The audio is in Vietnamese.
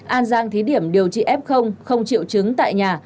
an giang thí điểm điều trị f không triệu chứng tại nhà